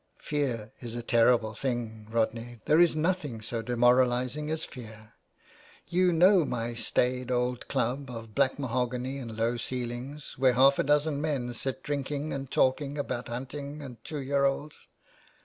Fear is a terrible thing, Rodney, there is nothing so demoralising as fear. You know my staid old club of black mahogany and low ceilings, where half a dozen men sit dining and talking about hunting and two year olds.